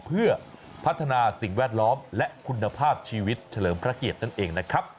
เพื่อพัฒนาสิ่งแวดล้อมและคุณภาพชีวิตเฉลิมพระเกียรตินั่นเองนะครับ